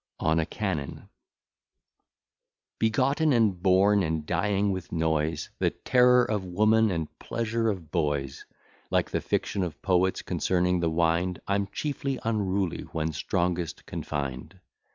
ON A CANNON Begotten, and born, and dying with noise, The terror of women, and pleasure of boys, Like the fiction of poets concerning the wind, I'm chiefly unruly when strongest confined.